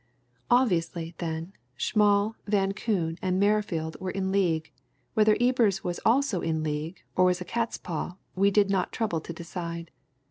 "Obviously, then, Schmall, Van Koon, and Merrifield were in league whether Ebers was also in league, or was a catspaw, we did not trouble to decide.